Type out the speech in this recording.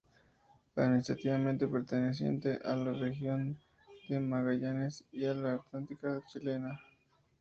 Administrativamente perteneciente a la Región de Magallanes y de la Antártica Chilena.